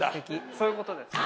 そういうことです